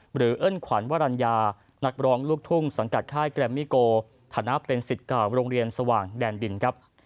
เอิ้นขวัญวรรณญานักร้องลูกทุ่งสังกัดค่ายแกรมมี่โกฐานะเป็นสิทธิ์เก่าโรงเรียนสว่างแดนดินครับ